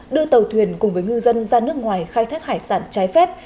đưa tàu thuyền cùng với ngư dân ra nước ngoài khai thác hải sản trái phép